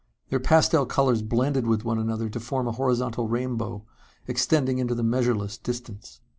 Their pastel colors blended with one another to form a horizontal rainbow extending into the measureless distance.